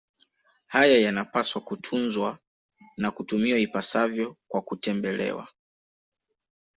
Haya yanapaswa kutunzwa na kutumiwa ipasavyo kwa kutembelewa